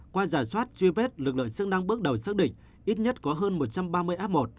qua giả soát truy vết lực lượng sức năng bước đầu xác định ít nhất có hơn một trăm ba mươi ap một